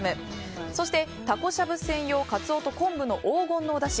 そして、たこしゃぶ専用カツオと昆布の黄金のお出汁